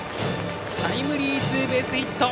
タイムリーツーベースヒット。